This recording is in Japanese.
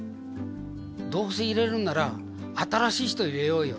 「どうせ入れるんなら新しい人入れようよ」